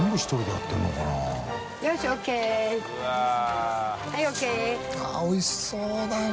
あっおいしそうだな。